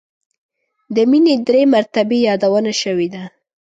د مینې درې مرتبې یادونه شوې ده.